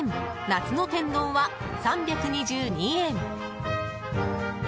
夏の天丼は３２２円。